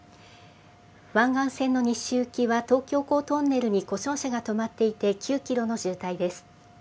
湾岸線の西行きは、東京港トンネルに故障車が止まっていて、９キロの渋滞です。